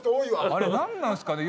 あれ何なんですかね。